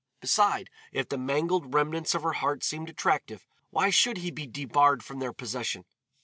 Beside, if the mangled remnants of her heart seemed attractive, why should he be debarred from their possession?